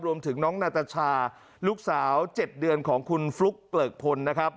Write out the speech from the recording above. รวมถึงน้องนาตาชาลูกสาว๗เดือนของคุณฟลุ๊กเปรอบคน